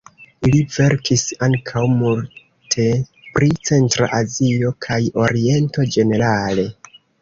Li verkis ankaŭ multe pri Centra Azio kaj Oriento ĝenerale.